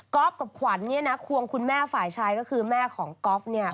กับขวัญควงคุณแม่ฝ่ายชายก็คือแม่ของก๊อฟเนี่ย